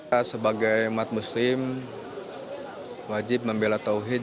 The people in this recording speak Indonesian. saya sebagai umat muslim wajib membela tawhid